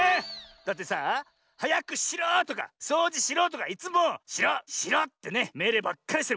だってさあ「はやくしろ！」とか「そうじしろ！」とかいつも「しろしろ」ってねめいれいばっかりしてるもんねえ。